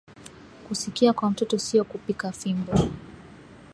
Kusikia kwa mtoto siyo kupika fimbo